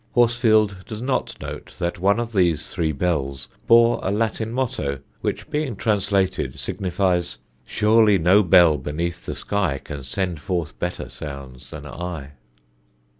Horsfield does not note that one of these three bells bore a Latin motto which being translated signifies Surely no bell beneath the sky Can send forth better sounds than I?